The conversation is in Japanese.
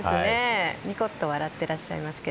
ニコッと笑ってらっしゃいますが。